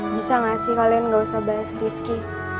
bisa gak sih kalian gak usah bahas rifki